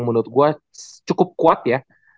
menurut gue cukup kuat ya